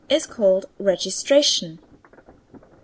is called registration.